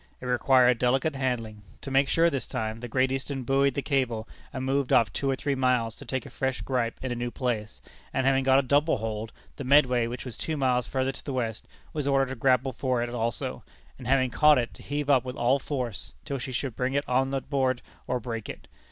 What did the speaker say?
It required delicate handling. To make sure this time, the Great Eastern buoyed the cable, and moved off two or three miles to take a fresh gripe in a new place; and having got a double hold, the Medway, which was two miles further to the west, was ordered to grapple for it also; and having caught it, to heave up with all force, till she should bring it on board or break it.